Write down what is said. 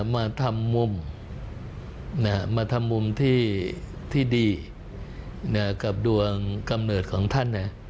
มาทำมุมมาทำมุมที่ดีกับดวงกำเนิดของท่าน